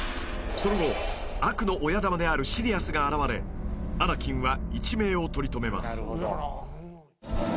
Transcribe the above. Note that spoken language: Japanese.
［その後悪の親玉であるシディアスが現れアナキンは一命を取り留めます］